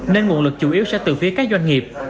nên nguồn lực chủ yếu sẽ từ phía các doanh nghiệp